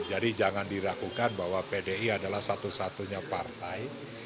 jadi jangan diragukan bahwa pdi adalah satu satunya partai